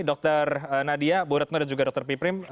dokter nadia bu retno dan juga dokter piprim